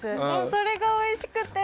それがおいしくて。